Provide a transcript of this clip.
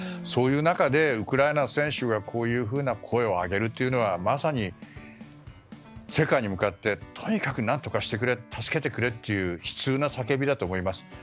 そういう中で、ウクライナ選手がこういうふうな声を上げるというのはまさに世界に向かってとにかく何とかしてくれ助けてくれという悲痛な叫びだと思います。